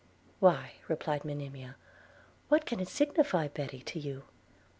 'Why,' replied Monimia, 'what can it signify, Betty, to you?'